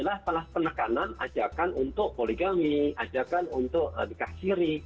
yang ada adalah penekanan ajakan untuk poligami ajakan untuk dikasiri